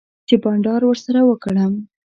چی بانډار ورسره وکړم